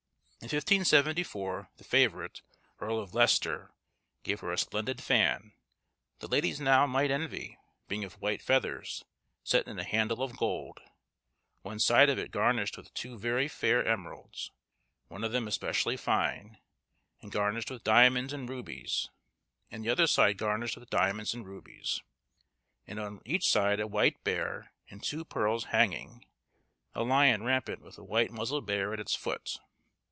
In 1574, the favourite, Earl of Leicester, gave her a splendid fan, that ladies now might envy, being of white feathers, set in a handle of gold; one side of it garnished with two very fair emeralds, one of them especially fine, and garnished with diamonds and rubies; and the other side garnished with diamonds and rubies; and on each side a white bear and two pearls hanging, a lion rampant with a white muzzled bear at his foot.